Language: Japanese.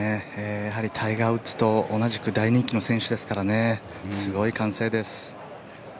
やはりタイガー・ウッズと同じく大人気の選手ですからねすごい歓声です。